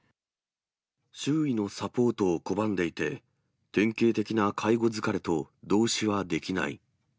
周囲のサポートを拒んでいて、典型的な介護疲れと同視はできない。